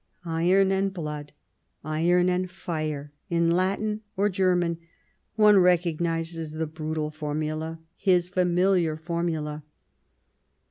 Iron and blood, iron and fire, in Latin or German : one recognizes the brutal formula, his familiar formula.